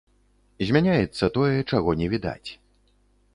Змяняецца тое, чаго не відаць.